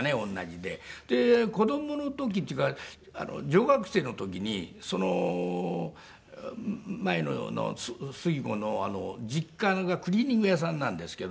で子供の時っていうか女学生の時に前の椙子の実家がクリーニング屋さんなんですけど。